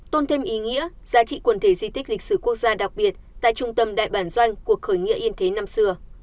tôn thêm ý nghĩa giá trị quần thể di tích lịch sử quốc gia đặc biệt tại trung tâm đại bản doanh cuộc khởi nghĩa yên thế năm xưa